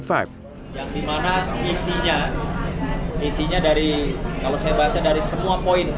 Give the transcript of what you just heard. yang dimana isinya isinya dari kalau saya baca dari semua poin